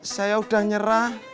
saya udah nyerah